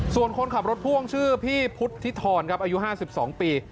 ส่วนคนขับรถพ่วงชื่อพี่พุทธิธรณครับอายุห้าสิบสองปี